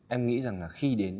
em nghĩ rằng là khi đến